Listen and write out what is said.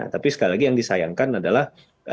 tapi sekali lagi yang disayangkan adalah